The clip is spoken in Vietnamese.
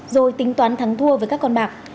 rồi tính toán thắng thua với các con bạc